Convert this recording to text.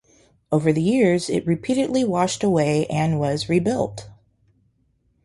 Over the years, it repeatedly washed away and was rebuilt.